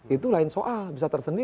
itu lain soal bisa tersendi